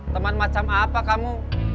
teman macam apa kamu